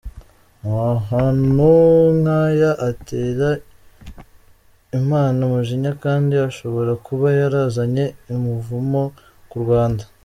Amahano nk’aya atera Imana umujinya, kandi ashobora kuba yarazanye umuvumo ku Rwanda.